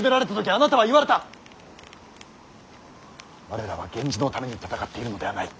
我らは源氏のために戦っているのではない。